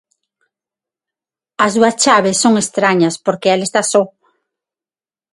As dúas chaves son estrañas porque el está só.